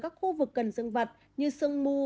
các khu vực cần dương vật như sương mù